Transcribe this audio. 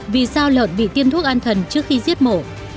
vì sao lợn bị tiêm thuốc an thần trước khi giết mổ